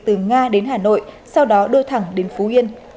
từ nga đến hà nội sau đó đưa thẳng đến phú yên